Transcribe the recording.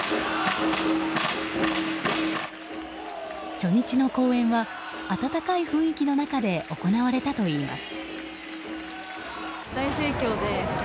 初日の公演は温かい雰囲気の中で行われたといいます。